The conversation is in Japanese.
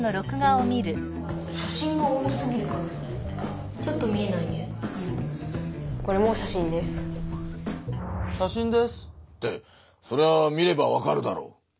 「写真です」ってそれは見ればわかるだろう。